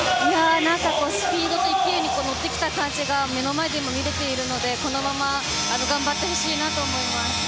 何か、スピードと勢いに乗ってきた感じが目の前で見られているのでこのまま頑張ってほしいなと思います。